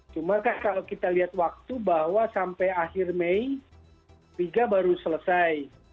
cuma kan kalau kita lihat waktu bahwa sampai akhir mei liga baru selesai